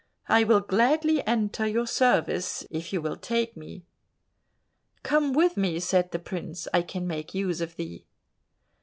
I will gladly enter your service, if you will take me." "Come with me," said the prince, "I can make use of thee."